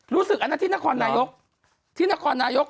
อันนั้นที่นครนายกที่นครนายก